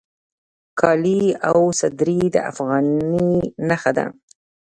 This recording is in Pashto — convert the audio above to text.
کالي او صدرۍ د افغاني نښه ده